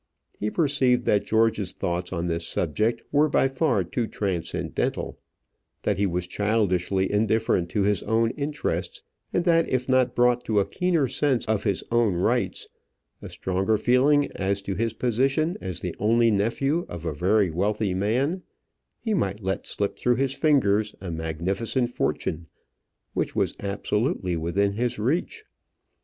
He perceived that George's thoughts on this subject were by far too transcendental, that he was childishly indifferent to his own interests, and that if not brought to a keener sense of his own rights, a stronger feeling as to his position as the only nephew of a very wealthy man, he might let slip through his fingers a magnificent fortune which was absolutely within his reach.